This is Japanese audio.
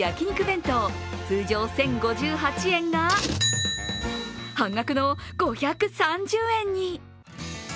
弁当、通常１０５８円が半額の５３０円に。